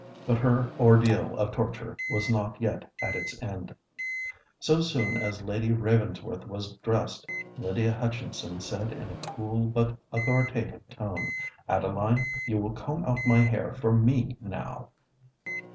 But her ordeal of torture was not yet at its end. So soon as Lady Ravensworth was dressed, Lydia Hutchinson said in a cool but authoritative tone, "Adeline, you will comb out my hair for me now."